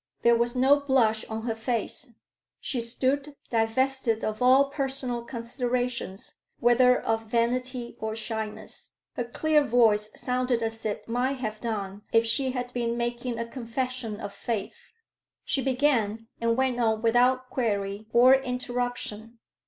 There was no blush on her face: she stood, divested of all personal considerations whether of vanity or shyness. Her clear voice sounded as it might have done if she had been making a confession of faith. She began and went on without query or interruption.